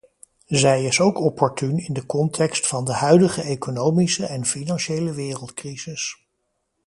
Zij is ook opportuun in de context van de huidige economische en financiële wereldcrisis.